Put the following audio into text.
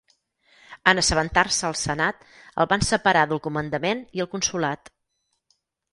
En assabentar-se el Senat, el van separar del comandament i el consolat.